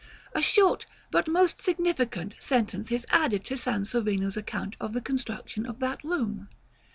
A short, but most significant, sentence is added to Sansovino's account of the construction of that room.